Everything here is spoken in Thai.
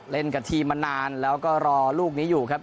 กับทีมมานานแล้วก็รอลูกนี้อยู่ครับ